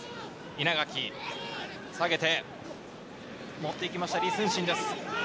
稲垣、下げて、持っていきました李承信です。